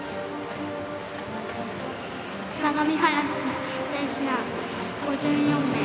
相模原市選手団、５４名。